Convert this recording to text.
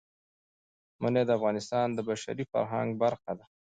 منی د افغانستان د بشري فرهنګ برخه ده.